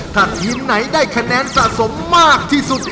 ถ้าทีมไหนได้คะแนนสะสมมากที่สุด